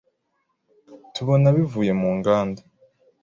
tubona bivuye mu nganda,